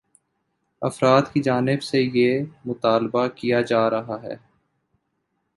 افراد کی جانب سے یہ مطالبہ کیا جا رہا ہے